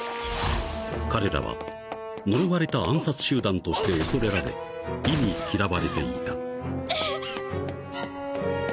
［彼らは呪われた暗殺集団として恐れられ忌み嫌われていた］うっ。